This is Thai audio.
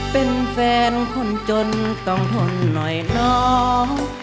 เป็นแฟนคนจนต้องทนหน่อยน้อง